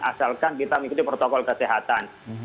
asalkan kita mengikuti protokol kesehatan